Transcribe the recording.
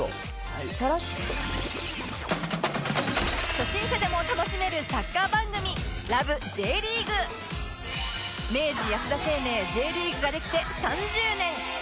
初心者でも楽しめるサッカー番組明治安田生命 Ｊ リーグができて３０年！